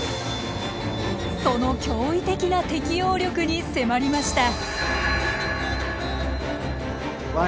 その驚異的な適応力に迫りました。